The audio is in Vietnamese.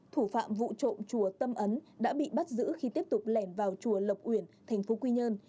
thủ phạm vụ trộm chùa tâm ấn đã bị bắt giữ khi tiếp tục lẻn vào chùa lộc uyển thành phố quy nhơn